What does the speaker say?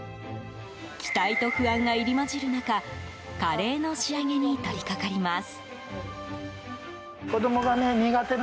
期待と不安が入り混じる中カレーの仕上げに取りかかります。